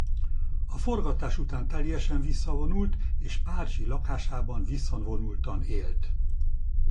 A forgatás után teljesen visszavonult és párizsi lakásában visszavonultan élt.